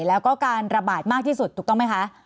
แล้วก็การระบาดมากที่สุดถูกต้องไหมคะ